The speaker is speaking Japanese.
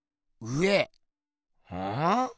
うん？